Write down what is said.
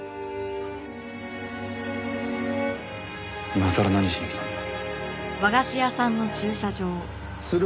今さら何しに来たんだよ。